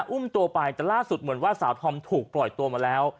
อุ้มตัวไปแต่ล่าสุดเหมือนว่าสาวธอมถูกปล่อยตัวมาแล้ว